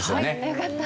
よかった。